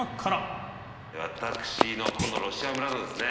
私のこのロシア村のですね